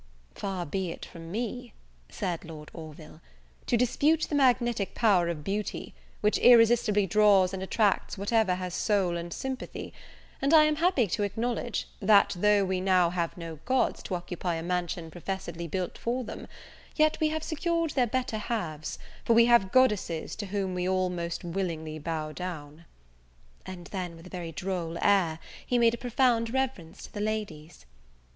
"Far be it from me," said Lord Orville, "to dispute the magnetic power of beauty, which irresistibly draws and attracts whatever has soul and sympathy: and I am happy to acknowledge, that though we have now no gods to occupy a mansion professedly built for them, yet we have secured their better halves, for we have goddesses to whom we all most willingly bow down." And then with a very droll air, he made a profound reverence to the ladies.